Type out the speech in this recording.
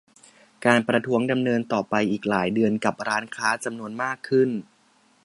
การประท้วงดำเนินต่อไปอีกหลายเดือนกับร้านค้าจำนวนมากขึ้น